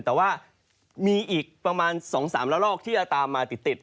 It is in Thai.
แต่ว่ามีอีกประมาณ๒๓ละลอกที่จะตามมาติด